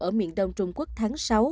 ở miền đông trung quốc tháng sáu